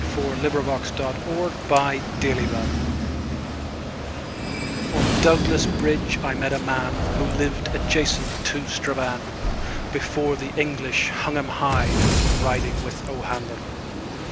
Ballad of Douglas Bridge ON Douglas Bridge I met a manWho lived adjacent to Strabane, Before the English hung him highFor riding with O'Hanlon.